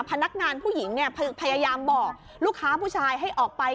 พนักงานผู้หญิงเนี่ยพยายามบอกลูกค้าผู้ชายให้ออกไป